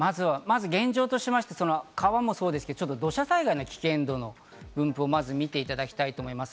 現状としまして川もそうですけれども、土砂災害の危険度の分布をまず見ていただきたいと思います。